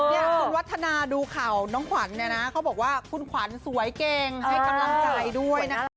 เนี่ยคุณวัฒนาดูข่าวน้องขวัญเนี่ยนะเขาบอกว่าคุณขวัญสวยเก่งให้กำลังใจด้วยนะคะ